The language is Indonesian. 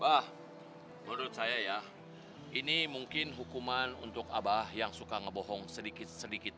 wah menurut saya ya ini mungkin hukuman untuk abah yang suka ngebohong sedikit sedikit